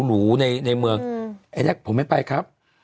หรูในเมืองไอ้แรกผมไม่ไปครับ